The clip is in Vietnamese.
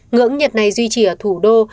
ngưỡng nhiệt này duy trì ở thủ đô